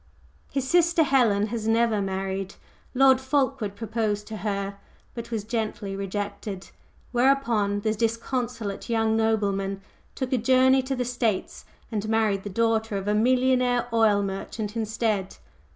His sister Helen has never married. Lord Fulkeward proposed to her but was gently rejected, whereupon the disconsolate young nobleman took a journey to the States and married the daughter of a millionaire oil merchant instead.